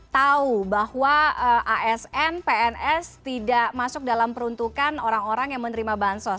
tahu bahwa asn pns tidak masuk dalam peruntukan orang orang yang menerima bansos